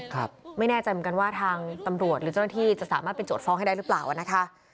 ไม่แน่ใจเหมือนกันว่าทางตำรวจหรือเจ้าหน้าที่จะสามารถเป็นโจทย์ฟ้องให้ได้หรือเปล่าอ่ะนะคะ